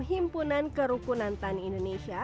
himpunan kerukunan tan indonesia